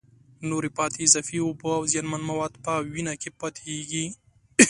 نورې پاتې اضافي اوبه او زیانمن مواد په وینه کې پاتېږي.